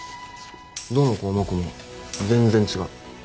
どの項目も全然違う